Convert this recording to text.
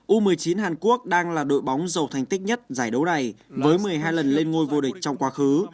u một mươi chín hàn quốc đang là đội bóng giàu thành tích nhất giải đấu này với một mươi hai lần lên ngôi vô địch trong quá khứ